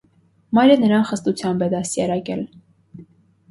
Մայրը նրան խստությամբ է դաստիարակել։